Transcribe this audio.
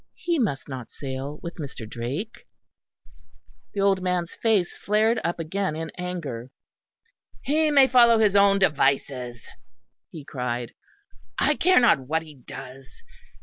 He must not sail with Mr. Drake." The old man's face flared up again in anger. "He may follow his own devices," he cried. "I care not what he does.